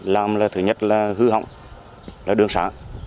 làm thứ nhất là hư hỏng đường xã